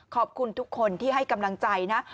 ขอบคุณทุกคนที่ให้กำลังใจนะ